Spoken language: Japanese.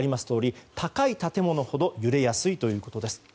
とおり高い建物ほど揺れやすいということです。